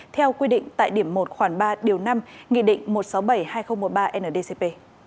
theo quy định tại điểm một khoảng ba điều năm nghị định một trăm sáu mươi bảy hai nghìn một mươi ba ndcp